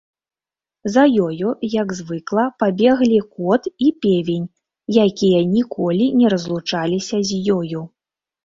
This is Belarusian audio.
За ёю, як звыкла, пабеглі кот і певень, якія ніколі не разлучаліся з ёю.